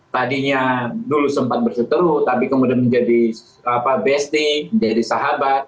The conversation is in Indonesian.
tadinya dulu sempat berseteru tapi kemudian menjadi besti menjadi sahabat